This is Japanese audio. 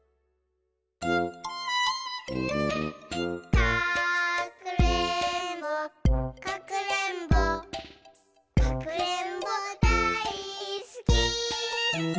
「かくれんぼかくれんぼかくれんぼだいすき」